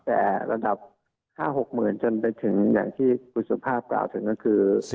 แต่ระดับ๕๖๐๐๐จนไปถึงอย่างที่คุณสุภาพกล่าวถึงก็คือ